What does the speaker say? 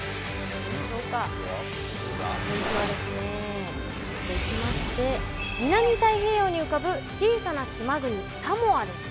続いてはですねぐるっと行きまして南太平洋に浮かぶ小さな島国サモアです。